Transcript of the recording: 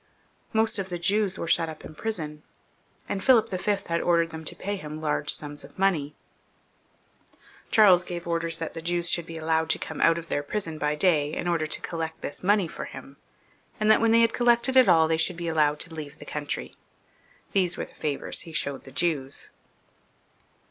Most of the Jews were shut up in prison, and Philip V. had ordered them to pay him large sums of money. Charles gave orders that the Jews should be allowed to come out of their prison by day, in order to collect this money for him ; and that when they had collected it all, they should be allowed to leave the country. These were the favours he showed the Jews.